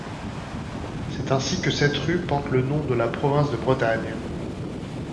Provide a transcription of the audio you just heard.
C'est ainsi que cette rue porte le nom de la province de Bretagne.